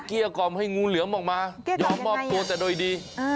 เกี้ยกล่อมให้งูเหลือมออกมายอมมอบตัวแต่โดยดี